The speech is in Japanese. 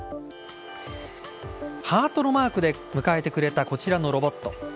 ハートのマークで迎えてくれたこちらのロボット。